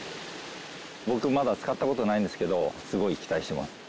僕まだ使った事ないんですけどすごい期待してます。